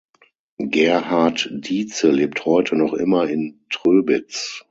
Gerhard Dietze lebt heute noch immer in Tröbitz.